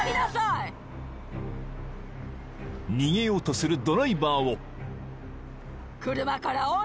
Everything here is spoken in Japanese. ［逃げようとするドライバーを］